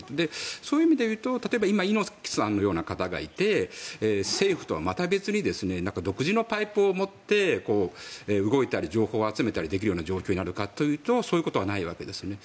そういう意味でいうと、例えば今、猪木さんのような方がいて政府とはまた別に独自のパイプを持って動いたり情報を集めたりすることができる状況にあるかというとそういうことはないわけですね。